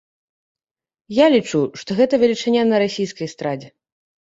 Я лічу, што гэта велічыня на расійскай эстрадзе.